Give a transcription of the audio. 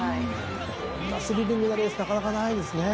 こんなスリリングなレースなかなかないですね。